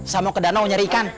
saya mau ke danau nyari ikan